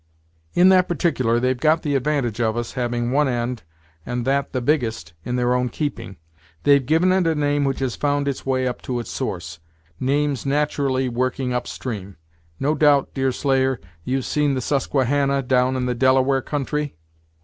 "In that particular they've got the advantage of us, having one end, and that the biggest, in their own keeping: they've given it a name which has found its way up to its source; names nat'rally working up stream. No doubt, Deerslayer, you've seen the Susquehannah, down in the Delaware country?"